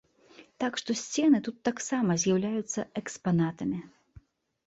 Так што сцены тут таксама з'яўляюцца экспанатамі.